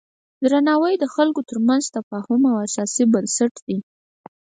درناوی د خلکو ترمنځ د تفاهم اساسي بنسټ دی.